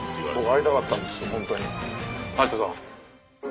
ありがとうございます。